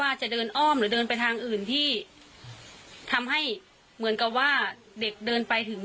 ถ้าคุณจะอ้อมไปในทางที่คิดว่าเด็กเดินไปได้